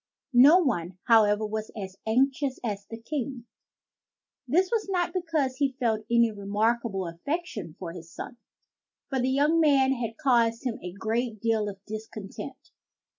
" No one, however, was as anxious as the King. This was not because he felt any remarkable affection for his son, for the young man had caused him a great deal of discontent.